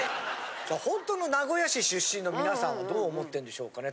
ほんとの名古屋市出身の皆さんはどう思ってるんでしょうかね？